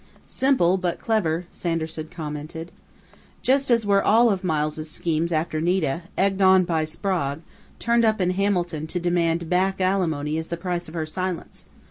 "Simple but clever," Sanderson commented. "Just as were all of Miles' schemes after Nita, egged on by Sprague, turned up in Hamilton to demand 'back alimony' as the price of her silence....